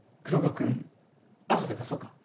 君後で貸そうか？